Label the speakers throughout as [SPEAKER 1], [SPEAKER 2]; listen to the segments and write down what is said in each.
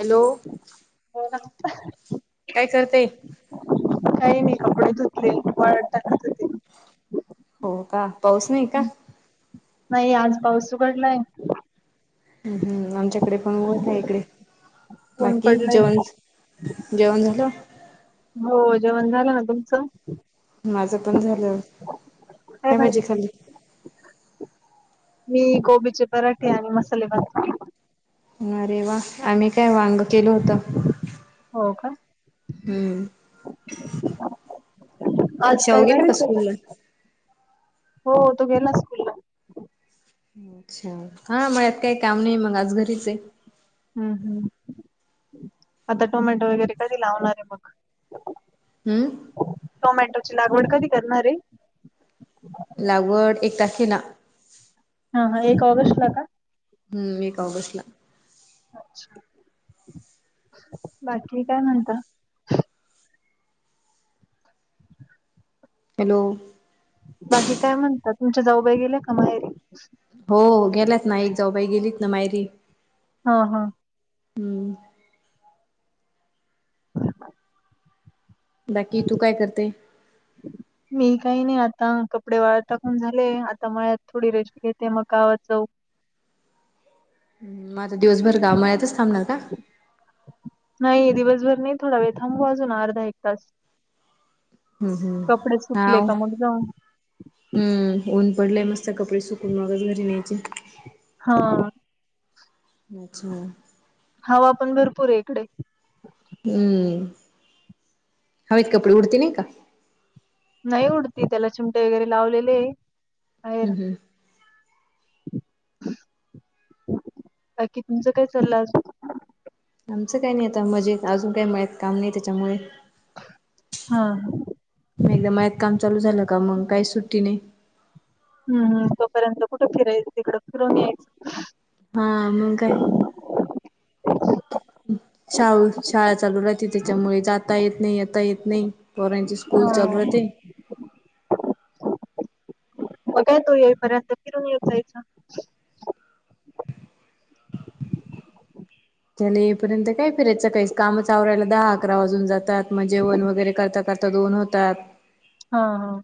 [SPEAKER 1] Hello
[SPEAKER 2] बोला
[SPEAKER 1] काय करते?
[SPEAKER 2] काही नाही. कपडे धुतलेले वाळत टाकत होते.
[SPEAKER 1] हो का पाऊस नाही का?
[SPEAKER 2] नाही. आज पाऊस उघडलाय.
[SPEAKER 1] हं ह. आमच्याकडे पण ऊन आहे इकडे.
[SPEAKER 2] ऊन
[SPEAKER 1] बाकी
[SPEAKER 2] पडलंय.
[SPEAKER 1] जेवण जेवण झालं?
[SPEAKER 2] हो. जेवण झालं ना तुमचं?
[SPEAKER 1] माझं पण झालं. काय भाजी खाली?
[SPEAKER 2] मी कोबीचे पराठे आणि मसाले भात खाला.
[SPEAKER 1] अरे वा. आम्ही काय वांग केलं होतं.
[SPEAKER 2] हो का.
[SPEAKER 1] हं.
[SPEAKER 2] आज काय येणार आहे का.
[SPEAKER 1] स्कूलला?
[SPEAKER 2] हो तो गेला स्कूल ला.
[SPEAKER 1] अच्छा. हा मळ्यात काही काम नाही. मग आज घरीच आहे.
[SPEAKER 2] हम्म हम. आता टोमॅटो वगैरे कधी लावणार आहे मग?
[SPEAKER 1] हम.
[SPEAKER 2] टोमॅटोची लागवड कधी करणार आहे?
[SPEAKER 1] लागवड एक तारखेला.
[SPEAKER 2] हा ह एक ऑगस्टला का?
[SPEAKER 1] हं. एक ऑगस्टला.
[SPEAKER 2] अच्छा, बाकी काय म्हणता?
[SPEAKER 1] हॅलो,
[SPEAKER 2] बाकी काय म्हणता. तुमच्या जाऊबाई गेल्या का माहेरी?
[SPEAKER 1] हो. गेल्यात ना. एक जाऊ बाई गेलीत ना माहेरी.
[SPEAKER 2] हं हं. [unintelligible]
[SPEAKER 1] बाकी तू काय करते?
[SPEAKER 2] मी काही नाही. आता कपडे वाळत टाकून झाले. आता मळ्यात थोडी रेस्ट घेते. मग गावात जाऊ.
[SPEAKER 1] मग आता दिवसभर का मळ्यातच थांबणार का?
[SPEAKER 2] नाही दिवसभर नाही. थोडा वेळ थांबू अजून अर्धा, एक तास.
[SPEAKER 1] हम्म
[SPEAKER 2] कपडे सुकले का मग जाऊ.
[SPEAKER 1] हं. ऊन पडलय मस्त कपडे सुकून मगच घरी न्यायचे.
[SPEAKER 2] हा.
[SPEAKER 1] अच्छा.
[SPEAKER 2] हवा पण भरपूर आहे इकडे.
[SPEAKER 1] हं. हवेत कपडे उडते नाही का.
[SPEAKER 2] नाही उडती त्याला चिमटे वगैरे लावलेले आहे. बाहेर.
[SPEAKER 1] हं हं.
[SPEAKER 2] बाकी तुमचं काय चाललाय अजून?
[SPEAKER 1] आमचं काही नाही. आता मजेत अजून काय मळ्यात काम नाही त्याच्यामुळे,
[SPEAKER 2] हा हा.
[SPEAKER 1] एकदा मळ्यात काम चालू झालं का मग काही सुट्टी नाही.
[SPEAKER 2] हं. तोपर्यंत कुठे फिरायचं तिकड फिरून यायचं.
[SPEAKER 1] हा मग काय. शाळू शाळा चालू राहती. त्याच्यामुळे जाता येत नाही. येता येत नाही. पोरांची स्कूल चालु
[SPEAKER 2] हा
[SPEAKER 1] होतेय.
[SPEAKER 2] मग काय तो येईपर्यंत फिरून येत जायचं.
[SPEAKER 1] [unintelligible] त्यान येई पर्यंत काय फिरायचं? काही कामच आवरायला दहा, अकरा वाजून जातात. म जेवण वगैरे करता करता दोन होतात.
[SPEAKER 2] हा हा.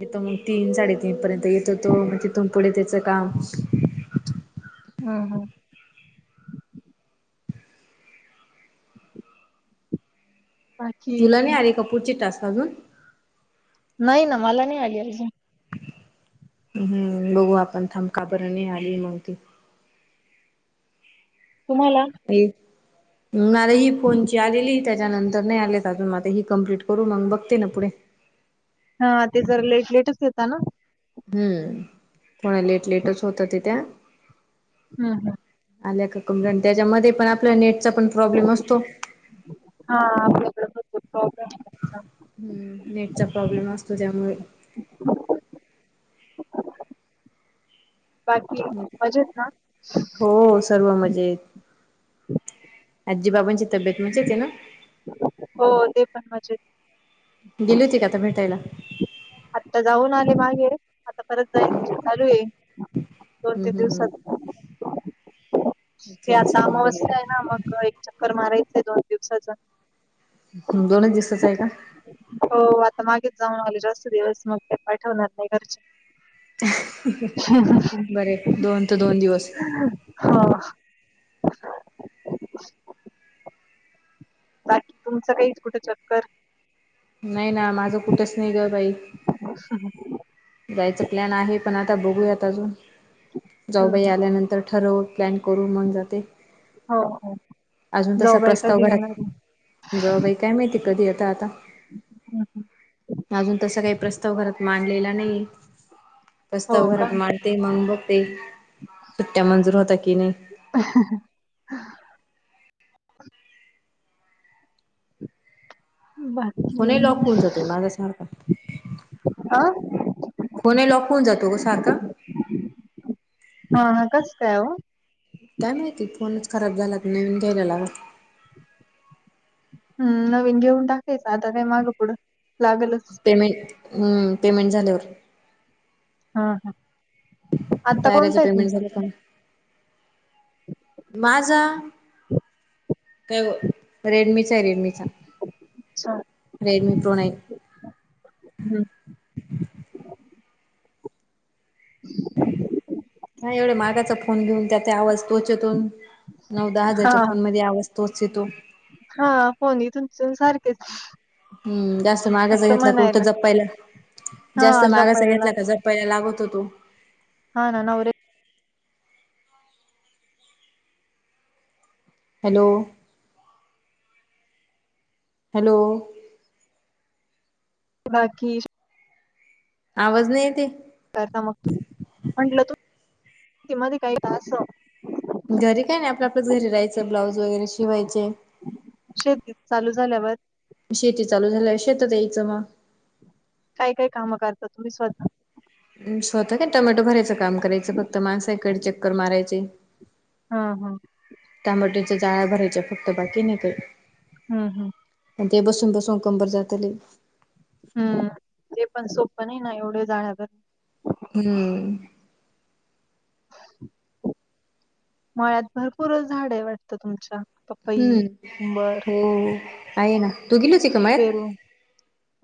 [SPEAKER 1] येतो मग तीन साडेतीन पर्यंत येतो तो. मग तिथून पुढे त्याचं काम.
[SPEAKER 2] हा हा. बाकी
[SPEAKER 1] तुला नाही आले का पुढचे टास्क अजून?
[SPEAKER 2] नाही ना. मला नाही आले अजून.
[SPEAKER 1] हम्म. बघू आपण थांब का बर नाही आले मग ते.
[SPEAKER 2] तुम्हाला?
[SPEAKER 1] [unintelligible] मला ही फोनची आलेली- त्याच्यानंतर नाही आलेत अजून. म आता ही कम्प्लीट करू मग बघते ना पुढे.
[SPEAKER 2] हा. ते जरा लेट लेटच येता ना?
[SPEAKER 1] हम्म. थोड लेट लेटच होतात ए ते.
[SPEAKER 2] हम् हम.
[SPEAKER 1] आल्या का [unintelligible] त्याच्यामध्ये पण आपल्या नेटचा पण प्रॉब्लेम असतो.
[SPEAKER 2] हा. आपल्याकडं-
[SPEAKER 1] हम्म. नेटचा प्रॉब्लेम असतो त्यामुळे.
[SPEAKER 2] बाकी मजेत ना?
[SPEAKER 1] हो. सर्व मजेत. आज्जी बाबांची तब्येत मस्तच ए ना?
[SPEAKER 2] हो. ते पण मजेत.
[SPEAKER 1] गेली होती का तू भेटायला?
[SPEAKER 2] आत्ता जाऊन आले मागे. आता- परत जायच चालू आहे. दोन तीन
[SPEAKER 1] हम्म हम्म
[SPEAKER 2] दिवसात. ते
[SPEAKER 1] अच्छा
[SPEAKER 2] आत्ता
[SPEAKER 1] अच्छा
[SPEAKER 2] अमावस्या आहे
[SPEAKER 1] बरोबर
[SPEAKER 2] ना मग- चक्कर मारायचीय दोन दिवसात.
[SPEAKER 1] हम. दोनच दिवसाचं आहे का?
[SPEAKER 2] हो. आता मागेच जाऊन आले. जास्त दिवस मग का पाठवणार नाही घरचे.
[SPEAKER 1] बरय. दोन त दोन दिवस.
[SPEAKER 2] हा. बाकी तुमचं काही कुठं चक्कर?
[SPEAKER 1] नाही ना. माझं कुठंच नाही ग बाई.
[SPEAKER 2] [unintelligible]
[SPEAKER 1] जायचा प्लॅन आहे. पण आता बघूयात अजून.
[SPEAKER 2] हम्म,
[SPEAKER 1] जाऊबाई
[SPEAKER 2] हम्म.
[SPEAKER 1] आल्यानंतर ठरवू. प्लॅन करू मग जाते.
[SPEAKER 2] हो हो
[SPEAKER 1] अजून तसा
[SPEAKER 2] जाऊबाई कधी
[SPEAKER 1] प्रस्ताव घरात,
[SPEAKER 2] येणार आहे
[SPEAKER 1] जाऊबाई काय माहिती कधी येताय आता.
[SPEAKER 2] हम्म, हम्म.
[SPEAKER 1] अजून तसा काही प्रस्ताव घरात मांडलेला नाहीये.
[SPEAKER 2] हो
[SPEAKER 1] प्रस्ताव
[SPEAKER 2] का
[SPEAKER 1] घरात मांड- -ते. मग बघते सुट्ट्या मंजूर होता की नाही?
[SPEAKER 2] [unintelligible] बर.
[SPEAKER 1] फोनही लॉक होऊन जातोय माझा सारखा.
[SPEAKER 2] आं?
[SPEAKER 1] कोणाला फोन जातो ग सारखा.
[SPEAKER 2] हा हा, कस काय हो.
[SPEAKER 1] काय माहिती फोनच खराब झालात नवीन घ्यायला लागल.
[SPEAKER 2] हम्म नवीन घेऊन टाकायचं आता काय मागं पुढं. लागलच.
[SPEAKER 1] पेमेंट हम्म पेमेंट झाल्यावर.
[SPEAKER 2] हा हा, आता
[SPEAKER 1] कार्याचं
[SPEAKER 2] कोणता आहे
[SPEAKER 1] पेमेंट
[SPEAKER 2] तुमचं.
[SPEAKER 1] झालं का माझा काय व. रेडमीचा आहे रेडमीचा.
[SPEAKER 2] [unintelligible] छान
[SPEAKER 1] रेडमी प्रो नाईन.
[SPEAKER 2] हम्म. [inaudible]
[SPEAKER 1] ह एवढे मागाचा फोन घेऊन त्या त्या वस्तूचे चेेतून नऊ दहा
[SPEAKER 2] हा
[SPEAKER 1] हजारच्या फोन मध्ये आवाज. तोच हाय तो.
[SPEAKER 2] हा फोनी तुम सारखेच.
[SPEAKER 1] हम्म जास्त मागाच
[SPEAKER 2] फक्त
[SPEAKER 1] घेतला कुठं
[SPEAKER 2] म्हणायला
[SPEAKER 1] जप्पायला. जास्त
[SPEAKER 2] हा
[SPEAKER 1] मागाचा
[SPEAKER 2] जपायला
[SPEAKER 1] घेतला
[SPEAKER 2] लाग
[SPEAKER 1] का जपपायला लागत हो तो.
[SPEAKER 2] हा ना नवरे.
[SPEAKER 1] हॅलो, हॅलो,
[SPEAKER 2] बाकी.
[SPEAKER 1] आवाज नाही येतय.
[SPEAKER 2] करता मग तू म्हटलं तू मध्ये काही तास.
[SPEAKER 1] घरी काय नाही आपलं आपल्याच घरी राहायचं ब्लाऊज वगैरे शिवायचे.
[SPEAKER 2] शेतीत चालू झाल्यावर.
[SPEAKER 1] शेती चालू झाल्या शेतात यायचं मग.
[SPEAKER 2] काय काय कामं करता तुम्ही स्वतः.
[SPEAKER 1] स्वतः काय टोमॅटो भरायचं काम करायचं फक्त माणसाकडे चक्कर मारायचे.
[SPEAKER 2] हा हा,
[SPEAKER 1] टमाट्याच्या जाळा्या भरायच्या फक्त बाकी नाही काय.
[SPEAKER 2] हम् हम्.
[SPEAKER 1] आणि ते बसून बसून कंबर जात्यालय.
[SPEAKER 2] हम्म ते पण सोपं नाही ना एवढे जाण्यावर.
[SPEAKER 1] हम्म.
[SPEAKER 2] मळ्यात भरपूर झाड आहे वाटतं तुमच्या. पपई,
[SPEAKER 1] हम्म
[SPEAKER 2] उंबर,
[SPEAKER 1] हो आहे ना. तू गेली होती का मळ्यात?
[SPEAKER 2] पेरू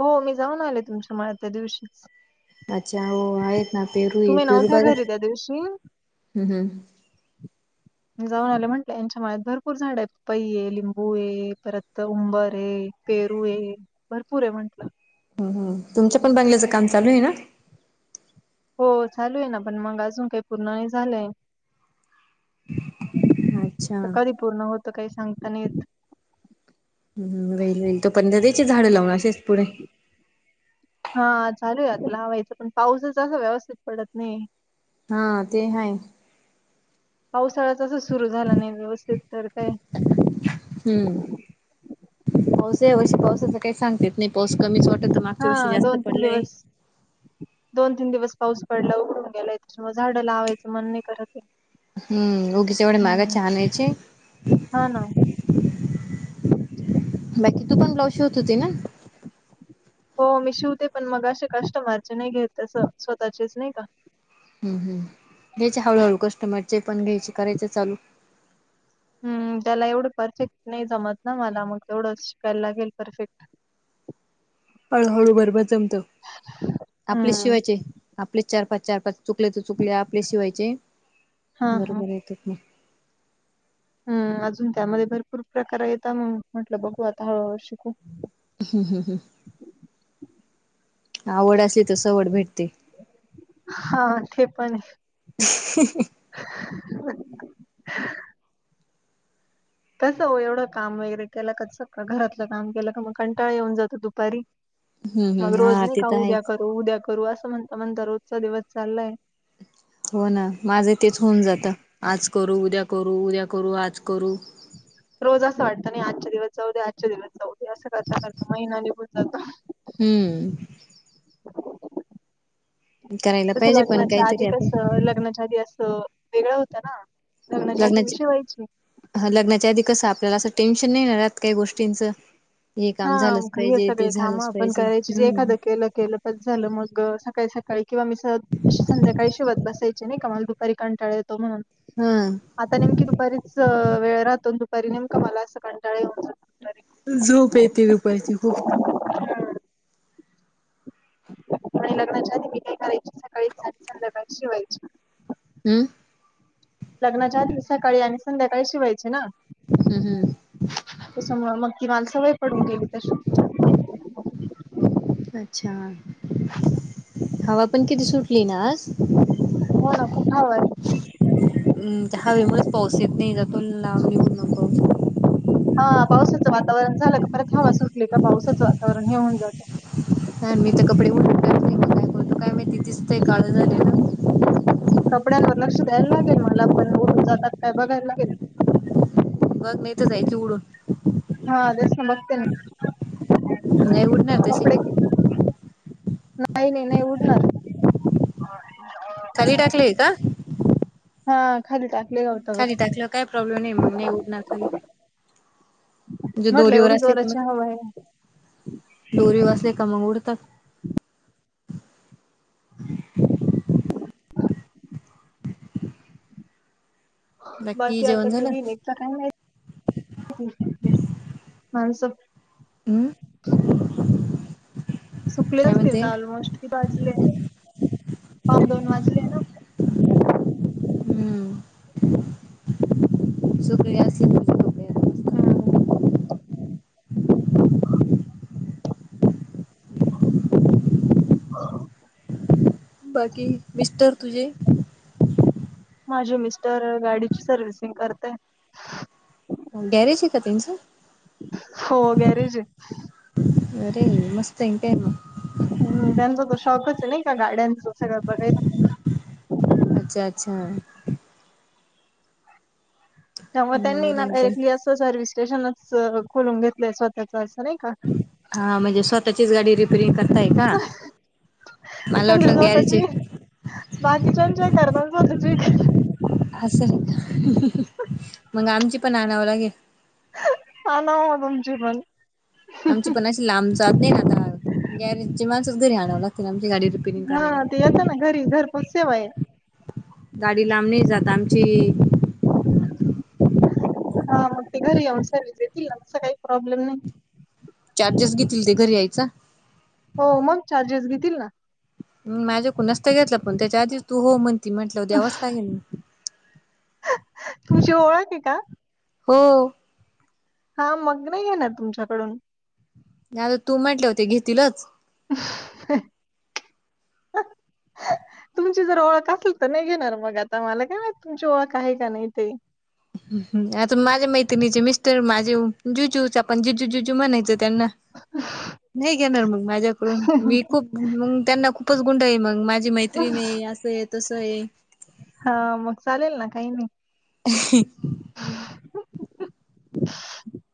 [SPEAKER 2] हो मी जाऊन आले तुमच्या मळ्यात त्या दिवशीच.
[SPEAKER 1] अच्छा वो आहे ना पेरू ए
[SPEAKER 2] तुम्ही
[SPEAKER 1] पेरू
[SPEAKER 2] नव्हत्या
[SPEAKER 1] बघत
[SPEAKER 2] घरी त्या दिवशी
[SPEAKER 1] हम्म हम्म.
[SPEAKER 2] जाऊन आले म्हंटलं यांच्या माळात भरपूर झाड आहे पपई ये लिंबू आहे परत उंबर आहे. पेरू आहे भरपूर आहे म्हंटलं.
[SPEAKER 1] हम हम तुमच्या पण बंगल्याचं काम चालू आहे ना.
[SPEAKER 2] हो चालू आहे ना पण मग अजून काही पूर्ण नाही झालंय.
[SPEAKER 1] अच्छा
[SPEAKER 2] तर कधी पूर्ण होत काही सांगता नाहीे येत येत.
[SPEAKER 1] हम हम होय होय तू पण नदीची झाडं लावून असेच पुढे.
[SPEAKER 2] हा चालू आहे आता लावायचं पण पाऊसाच असं व्यवस्थित पडत नाही.
[SPEAKER 1] हां ते हाय.
[SPEAKER 2] पावसाळ्या तसाचं सुरू झाला नाही व्यवस्थित, तर काय
[SPEAKER 1] हम्म पावस यावर्षी पावसाच काही सांगता येत नाही. पाऊस कमीच वाटत, मागच्या
[SPEAKER 2] हा
[SPEAKER 1] वर्षी जास्त
[SPEAKER 2] दोन तीन
[SPEAKER 1] पडलाय.
[SPEAKER 2] दिवस दोन तीन दिवस पाऊस पडलाय, उघडून गेलाय त्याच्या मूळ झाडं लावायचं मण नही करते.
[SPEAKER 1] हम् उगीच एवढे महागाचे आनायचे.
[SPEAKER 2] हाना.
[SPEAKER 1] बाकी तू पण ब्लॉउज शिवत होती ना?
[SPEAKER 2] हो मी शिवते पण मग अशे कस्टमरचे नही घेत अस, स्वतःचेच नाही का?
[SPEAKER 1] हम् हम् घ्यायचे हळूहळू कस्टमरचे पण घ्यायचे, करायच चालू.
[SPEAKER 2] हम्म त्याला एवढं परफेक्ट नही जमत ना मला, मग तेवढं शिकायला लागेल परफेक्ट.
[SPEAKER 1] हळूहळू बरोबर जमत, आपलेच
[SPEAKER 2] हम्म
[SPEAKER 1] शिवायचे, आपलेच चार- पाच, चार-पाच. चुकले त चुकले आपलेच शिवायचे,
[SPEAKER 2] हा हा
[SPEAKER 1] बरोबर येतात म.
[SPEAKER 2] हम् अजून त्यामध्ये भरपूर प्रकार येता मग, म्हटलं बघू आता हळूहळू शिकू.
[SPEAKER 1] ह हं हं. आवड असली तर, संवड भेटते.
[SPEAKER 2] हां ते पण ये.
[SPEAKER 1] ह्ह्स हं हम.
[SPEAKER 2] ह्ह्स हं. कसं हो एवढं काम वगैरे केलं का सगळं, घरातलं काम केलं का मग कंटाळ येऊन जातो दुपारी.
[SPEAKER 1] हम्म
[SPEAKER 2] मग
[SPEAKER 1] हम्म
[SPEAKER 2] रोज
[SPEAKER 1] हा
[SPEAKER 2] नही
[SPEAKER 1] ते
[SPEAKER 2] का
[SPEAKER 1] तर
[SPEAKER 2] उद्या
[SPEAKER 1] आहेच
[SPEAKER 2] करू, उद्या करू, असं म्हणता म्हणता रोजचा दिवस चाललाय.
[SPEAKER 1] हो ना, माझं तेच होऊन जातं. आज करू, उद्या करू, उद्या करू, आज करू.
[SPEAKER 2] रोज असं वाटतं नही आजच्या दिवस जाऊ दया, आजच्या दिवस जाऊ ते असं करता करता महिना निगुन जातो.
[SPEAKER 1] हम्म करायला
[SPEAKER 2] तसं
[SPEAKER 1] पाहिजे पण
[SPEAKER 2] लग्नाच्या आधी
[SPEAKER 1] काहीतरी आपण
[SPEAKER 2] कसं, लग्नाच्या आधी असं. वेगळं होतं ना, लग्नाच्या आदि मी शिवायची.
[SPEAKER 1] हां लग्नाच्या आधी कसं आपल्याला असं टेन्शन नही ना राहत काही गोष्टींचं. हे काम
[SPEAKER 2] हां
[SPEAKER 1] झालंच
[SPEAKER 2] हे
[SPEAKER 1] पाहिजे ते
[SPEAKER 2] सगळे कामं
[SPEAKER 1] झालंच
[SPEAKER 2] आपण
[SPEAKER 1] पाहिजे
[SPEAKER 2] करायची, जे
[SPEAKER 1] हम्म
[SPEAKER 2] एखादं केलं केलं बस झालं मग, सकाळी-सकाळी किंवा मी सहज संध्याकाळी शीवत बसायची, नही का मला दुपारी कंटाळ येतो म्हणून
[SPEAKER 1] हम्म.
[SPEAKER 2] आता नेमकी दुपारीच वेळ राहतो, दुपारी नेमका मला असं कंटाळा येऊन जातो, दुपारी.
[SPEAKER 1] झोप येते दुपारची खूप.
[SPEAKER 2] हं. आणि लग्नाच्या आधी मी काय करायची सकाळीच आणि संध्याकाळीच शिवायची.
[SPEAKER 1] हम्म.
[SPEAKER 2] लग्नाच्या आदी मी सकाळी आणि संध्याकाळीच शिवायची ना.
[SPEAKER 1] हम् हम्.
[SPEAKER 2] त्याच्यामुळं मग ती माला ती सवय पडून गेली तशी.
[SPEAKER 1] अच्छा, हवा पण किती सुटली ना आज?
[SPEAKER 2] हो ना खूप हवा ये.
[SPEAKER 1] हम हवेमुळेच पाऊस येत नाही, जातून लांब निगुन मं पाऊस.
[SPEAKER 2] हां पावसाचं वातावरण झालं का, परत हवा सुटली का, पावसाचं वातावरण हे होऊन जातं.
[SPEAKER 1] हां मी तर कपडे [unintelligible] काय करतो काय माहिती दिसतं काळ झाल ना.
[SPEAKER 2] कपड्यांवर लक्ष द्यायला लागेल मला पण. ओडून जातात काय बघायला लागेल.
[SPEAKER 1] बघ नाही त जायची उडून.
[SPEAKER 2] हा तेना. बघतेना.
[SPEAKER 1] नाही उडणार तसे
[SPEAKER 2] कपडे. नाही -नाही. नाही उडणार.
[SPEAKER 1] खाली टाकलेय का
[SPEAKER 2] हा खाली टा
[SPEAKER 1] खाली टाकल्याव काही प्रॉब्लेम नाही मग. नाही उघणार खाली. ज
[SPEAKER 2] म्हटलं
[SPEAKER 1] दोरीव
[SPEAKER 2] एवढी
[SPEAKER 1] असले त म
[SPEAKER 2] जोराची हवा आहे
[SPEAKER 1] दोरीव असले का मग उडतात.
[SPEAKER 2] बाकी आता
[SPEAKER 1] जेवण झालं
[SPEAKER 2] कधी निघता काय माहित. माणस?
[SPEAKER 1] हम्म
[SPEAKER 2] सुकले
[SPEAKER 1] काय
[SPEAKER 2] असतील
[SPEAKER 1] म्हणते
[SPEAKER 2] ऑलमोस्ट कीती वाजलेय. पावने दोन वाजले ना.
[SPEAKER 1] हम्म. सुकळी असली तुझे कपडे आता मस्त.
[SPEAKER 2] हम्म. ह [unintelligible]
[SPEAKER 1] बाकी मिस्टर तुझे?
[SPEAKER 2] माझे मिस्टर गाडीची सर्वि्हसिंग करताय.
[SPEAKER 1] गॅरेजे का त्याचं?
[SPEAKER 2] हो गॅरेज आहे.
[SPEAKER 1] बरय म. मस्तय काय म.
[SPEAKER 2] हम्म. त्यांचा तर शॉकच नाही का. गाड्यांच सगळं बघायला.
[SPEAKER 1] अच्छा अच्छा.
[SPEAKER 2] त्यामुळे त्यांनी ना
[SPEAKER 1] बरं काय.
[SPEAKER 2] डायरेक्टली असं सर्वीस स्टेशनच खोलून घेतलंय स्वतःच असं. नाही का.
[SPEAKER 1] हा म्हणजे स्वतः चीच गाडी रिपेरिंग करताय का? मला
[SPEAKER 2] म्हणजे
[SPEAKER 1] वाटलं गॅरेजे
[SPEAKER 2] स्वतःची बाकीच्यांच्या करता. स्वतःची करता.
[SPEAKER 1] असय. मग आमची पण आणावं लागेल.
[SPEAKER 2] आना म तुमची पण.
[SPEAKER 1] आमची पण अशी लांब जात नाही आता. गॅरेजची माणसच घरी आणावं लागतील. आमची गाडी री
[SPEAKER 2] हा ते येतं ना घरी. घरपोच सेवाय.
[SPEAKER 1] गाडी लांब नाही जात आमची. [unintelligible]
[SPEAKER 2] हा मग ते घरी येऊन सर्वीस देतील ना. तस काही प्रॉब्लेम नाही.
[SPEAKER 1] चार्जेस घेतील ते घरी यायचा?
[SPEAKER 2] हो मग, चार्जेस घेतील ना.
[SPEAKER 1] माझ्याकून नस्ता घेतला. पण त्याच्या आधीच तू हो म्हणती म्हटल्याव द्यावंच लागेल.
[SPEAKER 2] तुमची ओळखे का?
[SPEAKER 1] हो.
[SPEAKER 2] हा मग नाही घेणार तुमच्याकडून.
[SPEAKER 1] तू म्हटल्याव ते घेतीलच.
[SPEAKER 2] [unintelligible]
[SPEAKER 1] हम् [unintelligible]
[SPEAKER 2] तुमची जर ओळख असेल तर नाही घेणार मग आता. मला काय माहित तुमची ओळख आहे का नाही ते.
[SPEAKER 1] आता माझ्या मैत्रिणीचे मिस्टर माझे जुजू. आपण जिजू जीजू म्हणायचं त्यांना. [unintelligible] नाही घेणार मग माझ्याकडून. मी खूप मग त्यांना खूपच गुंडाळीन मग माझी मैत्रीणे असये तसये.
[SPEAKER 2] हा मग चालेल ना. काही नाही.
[SPEAKER 1] [unintelligible]
[SPEAKER 2] [unintelligible]